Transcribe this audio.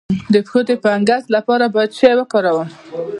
د پښو د فنګس لپاره باید څه شی وکاروم؟